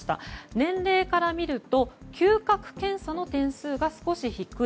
年齢からみると嗅覚検査の点数が少し低い。